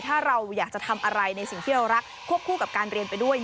ถ้าเราอยากจะทำอะไรในสิ่งที่เรารักควบคู่กับการเรียนไปด้วย